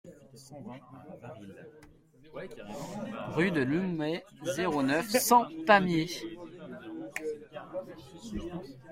Rue de Loumet, zéro neuf, cent Pamiers